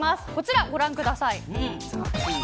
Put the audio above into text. こちらをご覧ください。